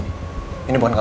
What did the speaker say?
mas ini udah selesai